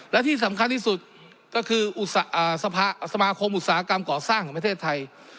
และที่สำคัญที่สุดก็คือสมาคมอุตสาหกรรมก่อสร้างของประเทศไทย